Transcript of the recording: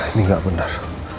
ini gak benar